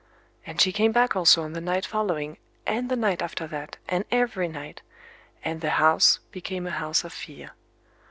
And she came back also on the night following, and the night after that, and every night;—and the house became a house of fear.